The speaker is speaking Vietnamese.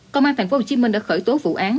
công an tp hcm đã khởi tố vụ án